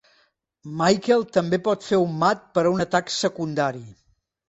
Michael també pot fer un mat per a un atac secundari.